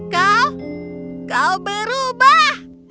kau kau berubah